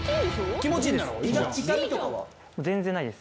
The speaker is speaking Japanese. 気持ちいいです。